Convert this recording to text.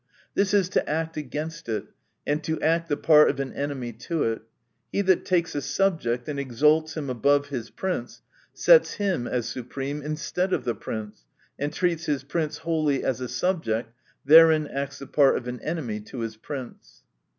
This is to act against it, and to act the part of an enemy to it. He that takes a subject, and exalts him above his prince, sets him as su preme instead of the prince, and treats his prince wholly as a subject, therein acts the part of an enemy to his prince.